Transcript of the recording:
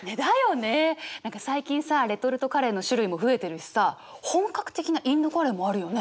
何か最近さレトルトカレーの種類も増えてるしさ本格的なインドカレーもあるよね。